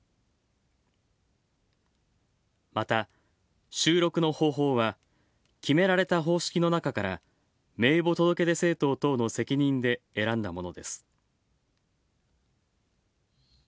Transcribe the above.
また、収録の方法は決められた方式の中から名簿届出政党等の責任で選んだものです。